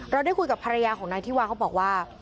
ได้คุยกับภรรยาของนายธิวาเขาบอกว่า